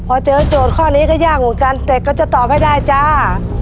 พอเจอโจทย์ข้อนี้ก็ยากเหมือนกันแต่ก็จะตอบให้ได้จ้า